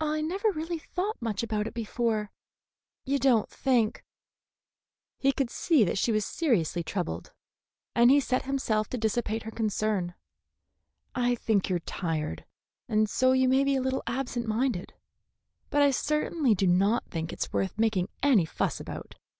I never really thought much about it before. You don't think " He could see that she was seriously troubled, and he set himself to dissipate her concern. "I think you are tired, and so you may be a little absent minded; but I certainly do not think it's worth making any fuss about.